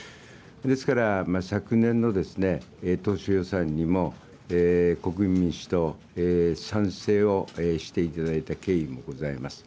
ですから、昨年のですね、当初予算にも国民民主党、賛成をしていただいた経緯もございます。